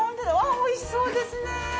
おいしそうですね！